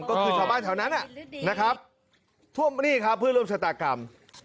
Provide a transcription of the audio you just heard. ก็คือชาวบ้านแถวนั้นนะครับท่วมนี่ครับเพื่อร่วมชะตากรรม